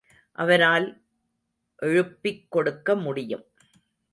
அவரால் எழுப்பிக் கொடுக்க முடியும்.